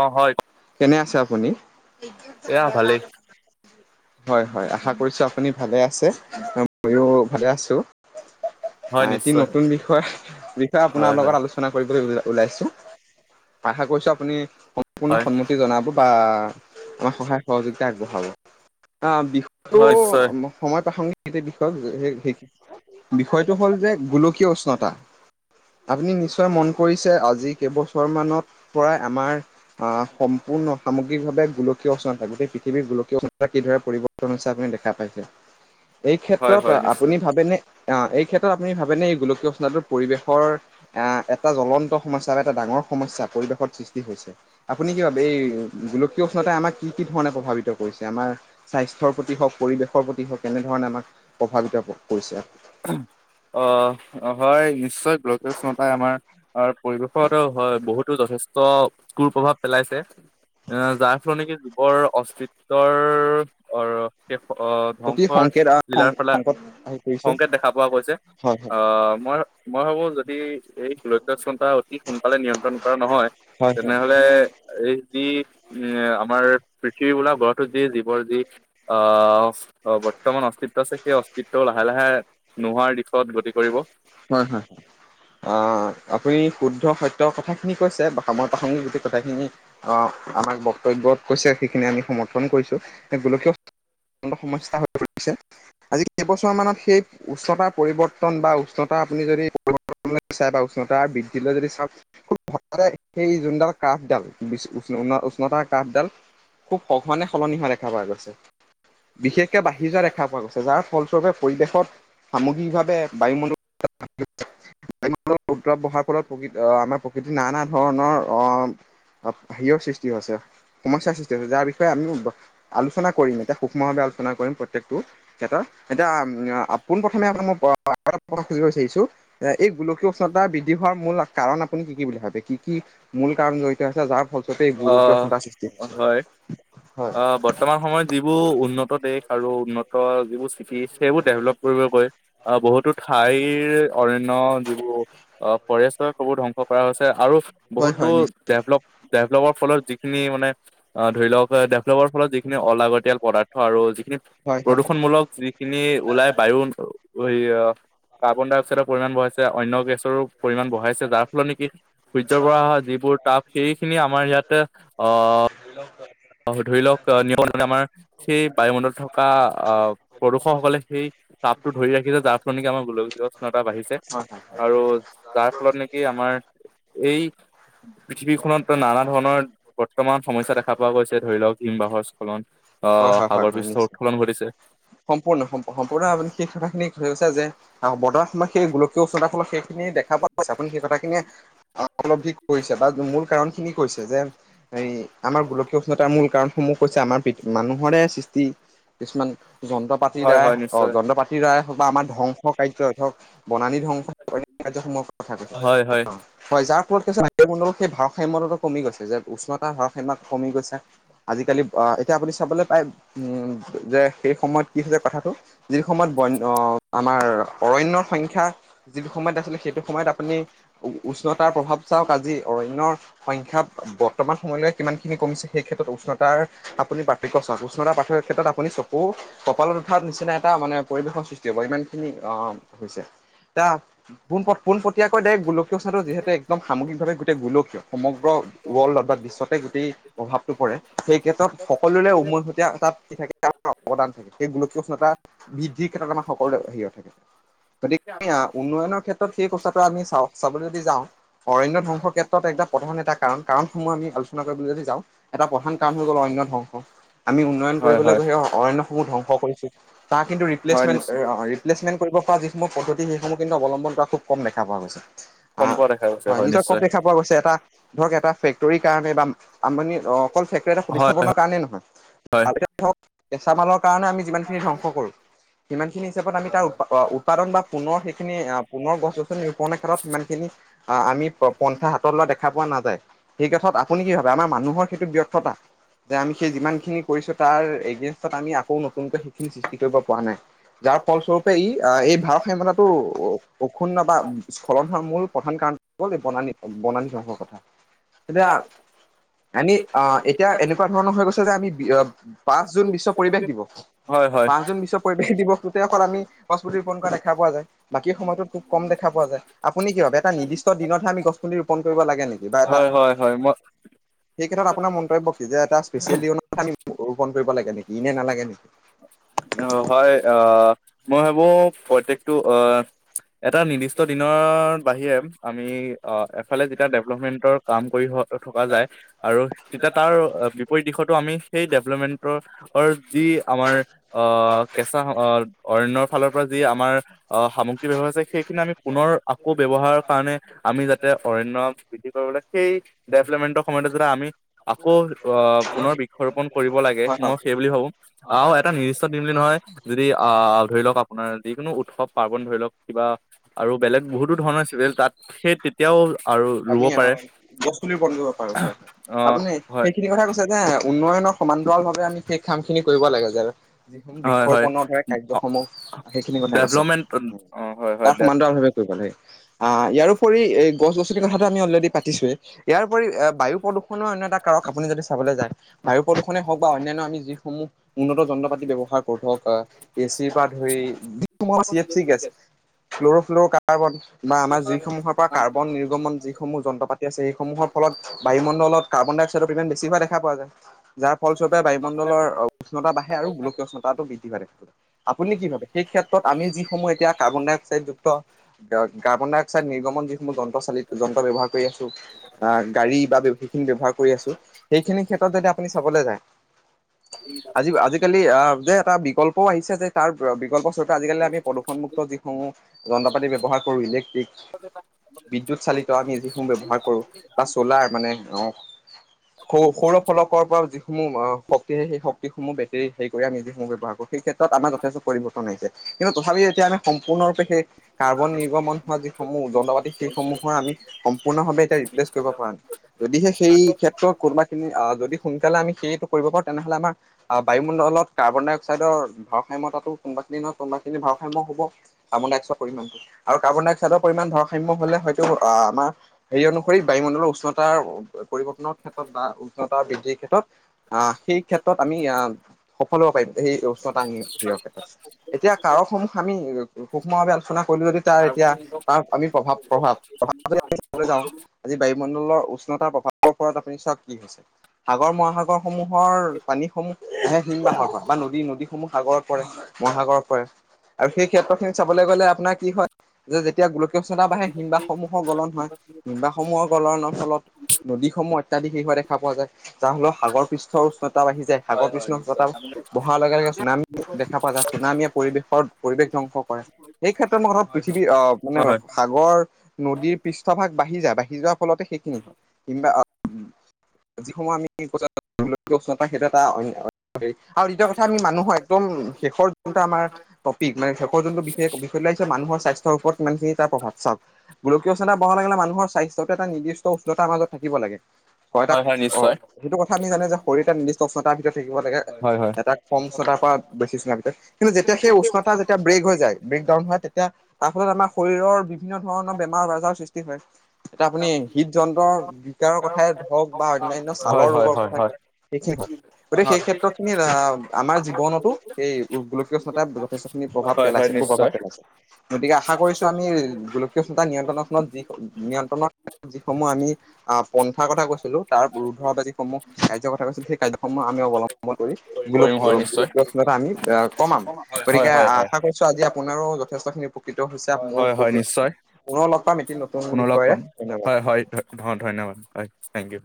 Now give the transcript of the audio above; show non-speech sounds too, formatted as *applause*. অ হয় কেনে আছে আপুনি? এয়া ভালেই হয় হয় আশা কৰিছোঁ আপুনি ভালে আছে ময়ো ভালে আছোঁ। হয় অ', এটি নিশ্চয় নতুন বিষয় বিষয় আপোনাৰ হয় লগত আলোচ আলোচনা কৰিবলৈ ও-ওলাইছোঁ আশা কৰিছোঁ আপুনি সম্পূৰ্ণ হয় সন্ম তি জনাব বা আমাৰ সহায় সহযোগিতা আগবঢ়াব আ, বিষ হয় *unintelligible* হয় নিশ্চয় সময় প্ৰাসংগিক বিষয়েই বিষয়টো হ'ল যে, গোলকীয় উষ্ণতা। আপুনি নিশ্চয় মন কৰিছে আজি কেইবছৰমানত পৰাই আমাৰ আ, সম্পূৰ্ণ সামগ্ৰিকভাৱে গোলকীয় উষ্ণতা গোটেই পৃথিৱীৰ গোলকীয় উষ্ণতা কিদৰে পৰিবহণ হিচাপে দেখা পাইছে, এই হয় হয় ক্ষেত্ৰত নিশ্চয় আপুনি ভাবেনে অ', এই ক্ষেত্ৰত আপুনি ভাবেনে এই গোলকীয় উষ্ণতাৰ পৰিৱেশৰ আ, এটা জ্বলন্ত সমস্যা বা এটা ডাঙৰ সমস্যা পৰিৱেশত সৃষ্টি হৈছে। আপুনি কি ভাবে? এই গোলকীয় উষ্ণতাই আমাক কি কি ধৰণে প্ৰভাৱিত কৰিছে আমাৰ স্বাস্থ্যৰ প্ৰতি হওঁক পৰিৱেশৰ প্ৰতি হওঁক কেনেধৰণে আমাক প্ৰভাৱিত কৰিছে? অ', হয়, নিশ্চয় গোলকীয় উষ্ণতাই আমাৰ আৰু পৰিৱেশত হয়, বহুতো যথেষ্ট কুপ্ৰভাৱ পেলাইছে। এ যাৰ ফলত নেকি যুগৰ অস্তিত্বৰ অ', শেষ অ' প্ৰতি ধ্বংসৰ সংকেত লীলাৰ ফালে সংকট আহি পৰিছে সংকেত দেখা পোৱা গৈছে হয় হয় আ, মই মই ভাবোঁ যদি এই গোলকীয় উষ্ণ তা, অতি সোনকালে নিয়ন্ত্ৰণ কৰা নহয় হয় হয় তেনেহ'লে এই যি উম, আমাৰ পৃথিৱী বোলা গ্ৰহটো যি জীৱৰ যি অ', অ', বৰ্তমান অস্তিত্ব আছে সেই অস্তিত্ব লাহে লাহে নোহোৱাৰ দিশত গতি কৰিব। হয়, হয়। অ', আপুনি শুদ্ধ সত্য কথাখিনি কৈছে বা সময় প্ৰাসংগিক গোটেই কথাখিনি অ', আমাক বক্তব্যত কৈছে সেইখিনি আমি সমৰ্থন কৰিছোঁ গোলকীয় সমস্যা হৈ পৰিছে। আজি কেইবছৰ মানত সেই উষ্ণতা পৰিৱৰ্তন বা উষ্ণতা আপুনি যদি *unintelligible* উষ্ণতা বৃদ্ধি লৈ যদি চাওঁক *inaudible* সেই যোনডাল কাঠডাল বি-উষ্ণ-উষ্ণতাৰ কাঠডাল খুব সঘনে সলনি হোৱা দেখা পোৱা গৈছে। বিশেষকে বাঢ়ি যোৱা দেখা পোৱা গৈছে। যাৰ ফলস্বৰূপে পৰিৱেশত সামগ্ৰিকভাৱে বায়ুমণ্ডল *inaudible* *unintelligible* উত্তাপ বহাৰ ফলত প্ৰকৃৃত অ', আমাৰ প্ৰকৃতি নানা ধৰণৰ অ' হেৰিয়ৰ সৃষ্টি হৈছে সমস্যাৰ সৃষ্টি হৈছে, যাৰ বিষয়ে আমি আলোচনা কৰিম এতিয়া। সূক্ষ্মভাৱে আলোচনা কৰিম প্ৰত্যেকটো ক্ষেত্ৰত, এতিয়া পোনপ্ৰথমে আপোনাক মই *inaudible* সুধিব বিচাৰিছোঁ এ এই গোলকীয় উষ্ণতা বৃদ্ধি হোৱাৰ মূল কাৰণ আপুনি কি কি বুলি ভাবে কি কি? মূল কাৰণ জড়িত আছে যাৰ ফলস্বৰূপে এই গোলকীয় উষ্ণতাৰ সৃষ্টি আহ হৈছে, হয় হয়। আহ বৰ্তমান সময়ত যিবোৰ উন্নত দেশ আৰু উন্নত যিবোৰ চিটি সেইবোৰ ডেভেলপ কৰিব গৈ অ', বহুতো ঠাইৰ অৰণ্য যিবোৰ অ', ফৰেষ্টৰ *unintelligible* বোৰ ধ্বংস কৰা হৈছে আৰু হয় বহুতো হয় নিশ্চয় ডেভলপ ডেভলপৰ ফলত যিখিনি মানে অ', ধৰি লওঁক এই ডেভেলপৰ ফলত যিখিনি অলাগতিয়াল পদাৰ্থ আৰু যিখিনি হয় হয় প্ৰদূষণমূলক খিনি ওলাই বায়ু অ' কাৰ্বন ডাই অক্সাইডৰ পৰিমাণ বঢ়াইছে অন্য গেছৰো পৰিমাণ বঢ়াইছে যাৰ ফলত নেকি সূৰ্যৰ পৰা অহা যিবোৰ তাপ সেইখিনি আমাৰ ইয়াতে অ' ল *unintelligible* ধৰি লওঁক নিয়ৰ মানে আমাৰ সেই বায়ুমণ্ডলত থকা আহ প্ৰদূষকসকলে সেই তাপটো ধৰি ৰাখিছে, যাৰ ফলত নকি আমাৰ গোলকীয় উষ্ণতা বাঢ়িছে। হয় হয় আৰু যাৰ ফলত নেকি আমাৰ এই পৃথিৱীখনত নানা ধৰণৰ বৰ্তমান সমস্যা দেখা পোৱা গৈছে, ধৰি লওঁক হিমবাহৰ স্খলন হয় অ' হয় হয় সাগৰ হয় পৃষ্ঠৰ নিশ্চয় উৎখলন ঘটিছে। সম্পূৰ্ণ সম সম্পূৰ্ণ আপুনি সেই কথাখিনি কৈ গৈছে যে বৰ্তমান সময়ত সেই গোলকীয় উষ্ণতাৰ ফলত সেইখিনি দেখা পাব চগে। আপনি সেই কথাখিনিয়ে উপলদ্ধি কৰিছে, বা মূল কাৰণ খিনি কৈছে। যে এই আমাৰ গোলকীয় উষ্ণতাৰ মূল কাৰণসমূহ হৈছে, আমাৰ মানুহৰে সৃষ্টি কিছুমান যন্ত্ৰ পাত তিৰ হয় দ্বাৰা হয় নিশ্চয় যন্ত্ৰ পাতি দ্বাৰায় হওঁক, বা আমাৰ ধ্বংস কাৰ্য হওঁক বনালী ধ্বংস কাৰ্যসমূহ কথা কৈছে। হয় হয় হয় যাৰ ফলত কি বায়ুমণ্ডলৰ সেই ভাৰসাম্যতটো কমি গৈছে, যে উষ্ণতা ভাৰসাম্যত কমি গৈছে। আজিকালি আ এতিয়া আপুনি চাবলৈ পায় যে সেই সময়ত কি হৈছে কথাটো যি সময়ত বন আমাৰ অৰণ্যয়ৰ সংখ্যা যিটো সময়ত আছিলে সেইটো সময়ত আপুনি উ উষ্ণতাৰ প্ৰভাৱ চাওঁক, আজি অৰণ্যৰ সংখ্যা বৰ্তমান সময়লৈ কিমানখিনি কমিছে সেই ক্ষেত্ৰত উষ্ণতাৰ আপুনি পাৰ্থক্য চাওঁক। উষ্ণাতাৰ পাৰ্থক্যৰ ক্ষেত্ৰত আপুনি চ কু কপালত উঠাত নিচিনা এটা মানে পৰিৱেশৰ সৃষ্টি হ'ব, ইমান খিনি অ' হৈছে। তিয়া পোন পোনপটীয়াকৈ ডাইৰেক্ট গোলকীয় উষ্ণতাটো যিহেতু একদম সামগিকভাৱে গোটেই গোলকীয়। সমগ্ৰ ৱৰ্ল্ডত বা বিশ্বতে গোটেই প্ৰভাৱটো পৰে। সেই ক্ষেত্ৰত সকলোৰে উমৈহতীয়া তাত কি থাকে অৱদান থাকে। সেই গোলকীয় উষ্ণতা বৃদ্ধিৰ ক্ষেত্ৰত আমাৰ সকলোৰে হেৰিয়াত থাকে। গতিকে উন্নয়নৰ ক্ষেত্ৰত সেই কথাটো আমি চাওঁ চাবলৈ যদি যাওঁ অৰণ্য ধ্বংসৰ ক্ষেত্ৰত একদম প্ৰধান এটা কাৰণ। কাৰণসমূহ আমি আলোচনা কৰিবলৈ যদি যাওঁ এটা প্ৰধান কাৰণ হৈ গ'ল অৰণ্য ধ্বংস, আমি উন্নয়ন হয় কৰিবলৈ হয় গৈ সেই অৰণ্যসমূহ ধ্বংস কৰিছোঁ। তাৰ কিন্তু হয় ৰিপ্লেচমেণ্ট নিশ্চয় প্লেচমেণ্ট কৰিব পৰা যিসমূহ পদ্ধতি সেইসমূহ কিন্তু অৱলম্বন কৰা খুব ক'ম দেখা পোৱা গৈছে। কম অ' পোৱা দেখা গৈছে হয় নিজৰ নিশ্চয় কপি খ পোৱা গৈছে। এটা ধৰক এটা ফেক্টৰীৰ কাৰণে বা আম্বানি অকল ফেক্টৰী এটা হয় প্ৰতিস্থাপনৰ কাৰণে নহয়। হয় ধৰক কেঁচা মালৰ কাৰণে আমি যিমানখিনি ধ্বংস কৰো। সিমানখিনি হিচাপত আমি তাৰ উৎপাদন বা পুনৰ সেইখিনি পুনৰ গছ ৰোপণৰ ক্ষেত্ৰত সিমানখিনি আমি পন্থা হাতত লোৱা দেখা পোৱা নাযায়। সেই কথাত আপুনি কি ভাবে? আমাৰ মানুহৰ সেইটো ব্যৰ্থতা। যে আমি সেই যিমান খিনি কৰিছোঁ তাৰ পিছত আমি আকৌ নতুনকৈ সেইখিনি সৃষ্টি কৰিব পৰা নাই। যাৰ ফলস্বৰূপে ই এই ভাৰ সাম্যতাটো অক্ষুন্ন বা স্খলন হোৱাৰ মূল প্ৰধান কাৰণটো হ'ল বনানি, বনানি ধ্বংসৰ কথা। এতিয়া আমি অ, এতিয়া এনেকুৱাঁ ধৰণৰ হৈ গৈছে যে আমি পিচ বা জুন বিশ্ব পৰিৱেশ দিবস, হয় পাঁচ জুন বিশ্ব বিশ্ব পৰিৱেশ দিৱসটোটে আমি গছপুলি ৰোপণ কৰা দেখা পোৱা যায়। বাকী সময়তো খুব কম দেখা পোৱা যায়। আপুনি কি ভাবে? এটা নিৰ্দিষ্ট দিনতহে আমি গছ পুলি ৰোপন কৰিব লাগে নেকি? বা এটা হয়, হয়, হয়। মই সেই ক্ষেত্ৰত আপোনাৰ মন্তব্য কি? যে এটা স্পেচিয়েল দিনতহে আমি ৰোপণ কৰিব লাগে নেকি, ইনেই নালাগে নেকি? অ', হ'য়, অ' মই ভাবো প্ৰত্যেকটো অ' এটা নিৰ্দিষ্ট দিনৰ বাহিৰে আমি অ এফালে যেতিয়া ডেভেলপমেণ্টৰ কাম কৰি থকা যায় আৰু তেতিয়া তাৰ বিপৰীত দিশতো আমি সেই ডেভলপমেণ্টৰৰ যি আমাৰ অ কেঁচা অৰণ্য ফালৰ পৰা যি আমাৰ অ সামগ্ৰী ব্যৱহাৰ হৈছে। সেইখিনি আমি পুনৰ আকৌ ব্যৱহাৰৰ কাৰণে আমি যাতে অৰণ্য বৃদ্ধি কৰিবলৈ সেই ডেভেলপমেন্টৰ সময়তে যদি আমি আকৌ অ পুনৰ বৃক্ষৰোপণ কৰিব লাগে হয় হয়। মই সেই বুলি ভাবো আৰু এটা নি নিৰ্দিষ্ট দিন বুলি নহয় যদি আ ধৰি লওক আপোনাৰ যিকোনো উৎসৱ পাৰ্বন ধৰি লওক কিবা আৰু বেলেগ বহুতো ধৰণৰ *unintelligible* তাত সেই তেতিয়াও আৰু ৰুব আমি আৰু পাৰে গছপুলি ৰোপণ কৰিব পাৰো হয় অ' আপুনি হয়। সেইখিনি কথা কৈছে যে উন্নয়নৰ সমান্তৰাল ভাৱে আমি সেই কাম খিনি কৰিব লাগে যেনে হয় হয় বৃক্ষৰোপন সে কাৰ্যসমূহ সেইখিনি কথা কৈছে ডেভলপমেণ্ট অ' হয় হয় তাৰ দে সমান্তৰাল ভাবে আ ইয়াৰ উপৰি এই গছ গছনিৰ কথাটো আমি অলৰেডি পাতিছোৱেই ইয়াৰ উপৰি এ বায়ু প্ৰদূষণৰ অন্য এটা কাৰক আপুনি যদি চাবলে যায় বায়ু প্ৰদূষণে হওক বা অন্যান্য আমি যিসমূহ উন্নত যন্ত্ৰ পাতি ব্যৱহাৰ কৰোঁ ধৰক আ এ চি পা ধৰি তোম চি এফ চি গেছ ফ্ল'ৰ' ফ্লৰ কাৰ্বন বা আমাৰ যি সমূহৰ পৰা কাৰ্বন নিৰ্গমন যিসমূহ যন্ত্ৰ পাতি আছে সেইসমূহৰ ফলত বায়ুমণ্ডলত কাৰ্বন ডাই অক্সাইডৰ পৰিমাণ বেছি হোৱা দেখা পোৱা যায় যাৰ ফলস্বৰূপে বায়ুমণ্ডলৰ উষ্ণতা বাঢ়ে আৰু গোলকী উষ্ণতাটো বৃদ্ধি হোৱা দেখা যায় আপুনি কি ভাবে সেই ক্ষেত্ৰত আমি যিসমূহ এতিয়া কাৰ্বন ডাই অক্সাইডযুক্ত কা কাৰ্বন ডাই অক্সাইড নিৰ্গমন যিসমূহ যন্ত্ৰ চালিত যন্ত্ৰ ব্যৱহাৰ কৰি আছোঁ আ গাড়ী বা *unintelligible* ব্যৱহাৰ কৰি আছোঁ সেইখিনি ক্ষেত্ৰত যদি আপুনি চাবলে যায় *unintelligible* আজি আজিকালি আ যে এটা বিকল্পও আহিছে যে তাৰ বিকল্প চৰ ত আজিকালি আমি প্ৰদূষণমুক্ত যিসমূহ যন্ত্ৰ পাতি ব্যৱহাৰ কৰো ইলেক্ট্ৰিক বিদ্যুৎ চালিত আমি যিসমূহ ব্যৱহাৰ কৰোঁ, বা চলাৰ মানে আ *unintelligible* ওষৰৰ ফলকৰ পৰা যিসমূহ শক্তি সেই শক্তিসমূহ বেটেৰীত হেৰি কৰি আমি যিসমূহ ব্যৱহাৰ কৰোঁ। সেই ক্ষেত্ৰত আমাৰ যথেষ্ট পৰিবৰ্তন আহিছে। কিন্তু তথাপি এতিয়া আমি সম্পূৰ্ণৰূপে সেই কাৰ্বন নিৰ্গমন হোৱা যি সমূহ যন্ত্ৰপাতি সেইসমূহৰ আমি সম্পূৰ্ণভাৱে এতিয়া ৰিপ্লেচ কৰিব পৰা নাই। যদিহে সেই ক্ষেত্ৰত কোনোবা খিনি আ যদি সোনকালে আমি সেইটো কৰিব পাৰো তেনেহলে আমাৰ আ বায়ুমণ্ডলত কাৰ্বন ডাই অক্সাইডৰ ভাৰসাম্যতাটো কোনোবাখিনি নহয় কোনোবাখিনি ভাৰসাম্য হ'ব। কাৰ্বন ডাই অক্সাইডৰ পৰিমাণটো আৰু কাৰ্বন ডাই অক্সাইডৰ পৰিমাণটো ভাৰসাম্য হলে হয়তো আ আমাৰ সেই অনুসৰি বায়ুমণ্ডলৰ উষ্ণতাৰ পৰিৱৰ্তনৰ ক্ষেত্ৰত বা উষ্ণতা বৃদ্ধিৰ ক্ষেত্ৰত আ সেই ক্ষেত্ৰত আমি আহ সফল হ'ব পাৰিম সেই উষ্ণতা *unintelligible* ক্ষেত্ৰত এতিয়া কাৰক সমূহ আমি সূক্ষ্ম ভাৱে আলোচনা কৰিলো যদি তাৰ এতিয়া সাৰমানু নিৰ্গম তাৰ আমি প্ৰভাৱ প্ৰভাৱ প্ৰভাৱ *unintelligible* চাবলে যাও আজি বায়ুমণ্ডলৰ উষ্ণতাৰ প্ৰভাৱৰ ওপৰত আপুনি চাওক কি হৈছে সাগৰ মহাসাগৰসমূহৰ পানীসমূহে *unintelligible* বা নদী নদীসমূহ সাগৰত পৰে মহাসাগৰত পৰে আৰু সেই ক্ষেত্ৰ খিনি চাবলে গলে আপোনাৰ কি হয় যে এতিয়া গোলকীয় উষ্ণতা বাঢ়ে হিমবাসসমূহৰ গলন হয় হিমবাসসমূহৰ গলনৰ ফলত নদীসমূহ ইত্যাদি শেষ হোৱা দেখা পোৱা যায় যাৰ ফলত সাগৰ পৃষ্ঠৰ উষ্ণতা বাঢ়ি যায়‌ সাগৰ পৃষ্ঠ *inaudible* বহাৰ লগে লগে চুনামী দেখা পোৱা যায়, চুনামীয়ে পৰিৱেশৰ, পৰিৱেশ ধ্বংস কৰে। সেই ক্ষেত্ৰত, মই পৃথিৱীৰ অ, মানে হয় হয় সাগৰ নদীৰ পৃষ্ঠভাগ বাঢ়ি যায়, বাঢ়ি যোৱাৰ ফলতে সেইখিনি হ'য়। কিম্বা উম, যিসময় আমি গৈছো এ, সেইটো এটা আৰু দ্বিতীয় কথা, আমি মানুহৰ একদম শেষৰ যোনটো আমাৰ টপিক, মানে শেষৰ জনটো বিষয়ে পেলাইছে, মানুৰ স্বাস্থ্যৰ ওপৰত *unintelligible* প্ৰভাৱ চাওঁক, গোলকীয় চা, বহা লগে, মানুহৰ স্বাস্থ্য এটা নিৰ্দিষ্ট উষ্ণতাৰ মাজত থাকিব লাগে। হয়, এটা অ, সেইটো কথা আমি জানো, যে শৰীৰ এটা নিৰ্দিষ্ট উচ্চতাৰ ভিতৰত থাকিব লাগে। হয় হয়। এটা কম উষ্ণতাৰ পৰা বেছি *inaudible* পিছত কিন্তু যেতিয়া সেই উষ্ণতা যেতিয়া ব্ৰেক হৈ যায়। ব্ৰেকডাউন হয়, তেতিয়া তাৰ ফলত আমাৰ শৰীৰৰ বিভিন্ন ধৰণৰ বেমাৰ- আজাৰৰ সৃষ্টি হয়। এতিয়া আপুনি হৃদযন্ত্ৰৰ, বিকাৰৰ কথাই ধৰক বা অন্যান্য ছালৰ হয় হয় হয় ৰোগৰ হয় কথাই হয়। ক'ওক। সেইখিনি হয়, গতিকে সেই ক্ষেত্ৰত খিনি আমাৰ জীৱনতো সেই গোলকীয় উষ্ণতা যথেষ্ট খিনি প্ৰভাৱ হয় হয় পেলাইছে, কু- প্ৰভাৱ নিশ্চয় পেলাইছে গতিকে আশা কৰিছো আমি সেই গোলকীয় উষ্ণতা নিয়ন্ত্ৰণখনত, যি নিয়ন্ত্ৰণৰত যিসমূহ আমি আহ পন্থাৰ কথা কৈছিলো, তাৰ উৰ্ধত যিসমূহ কাৰ্য কথা কৈছিলো সেই কাৰ্যসমূহ আমি অৱলম্ব অবলম্বন কৰি গল, কৰিম হয় নিশ্চয় গোলকীয় উষ্ণতা আমি কমাম, হয় গতিকে হয় হয় আশা কৰিছো ছ, আজি আপোনাৰো যথেষ্টখিনি উপকৃত হৈছে। মই হয় হয় উপকৃত, নিশ্চয়। পুনৰ লগ পাম এটি নতুন পুনৰ লগ বিষয়েৰে পাম ধন্যবাদ। হয় হয় ধ ধন্যবাদ হয়, থেংক ইউ।